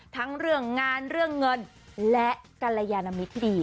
ทั้งเรื่องงานเรื่องเงินและกรยานมิตรที่ดี